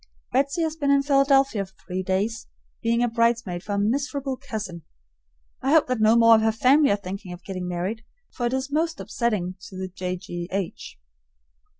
Betsy has been in Philadelphia for three days, being a bridesmaid for a miserable cousin. I hope that no more of her family are thinking of getting married, for it's most upsetting to the J. G. H.